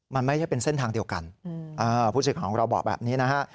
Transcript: มันไม่ใช่เป็นเส้นทางเดียวกันผู้สื่อของเราบอกแบบนี้นะฮะ